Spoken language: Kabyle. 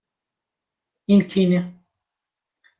I nekni!